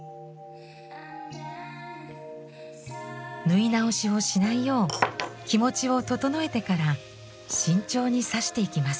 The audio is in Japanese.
縫い直しをしないよう気持ちを整えてから慎重に刺していきます。